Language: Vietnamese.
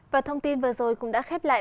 và thông tin vừa rồi cũng đã khép lại